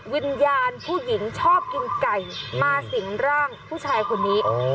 วิญญาณผู้หญิงชอบกินไก่มาสิงร่างผู้ชายคนนี้